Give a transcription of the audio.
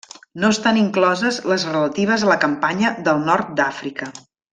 No estan incloses les relatives a la campanya del Nord d'Àfrica.